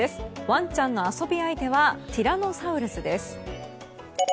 ワンちゃんの遊び相手はティラノサウルスです。